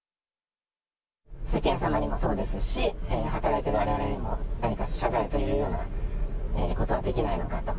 世間様にもそうですし、働いてるわれわれにも何か謝罪というようなことはできないのかと。